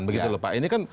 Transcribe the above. begitu lho pak